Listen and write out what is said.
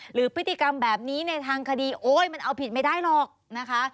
หรือพฤติกรรมแบบนี้ในทางคดีโอ๊ยมันเอาผิดไม่ได้หรอกนะคะ